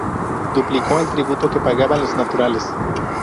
Duplicó el tributo que pagaban los naturales.